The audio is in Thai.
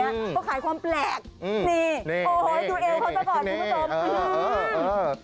เขาขายความแปลกนี่โอ้โหดูเอวเขาซะก่อนคุณผู้ชม